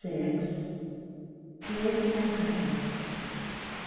PIG AND PEP PER.